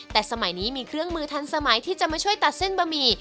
แต่สมัยนี้มีเครื่องมือทันสมัยที่จะมาช่วยตัดเส้นบะหมี่